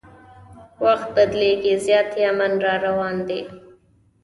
وخت بدلیږي زیاتي امن راروان دي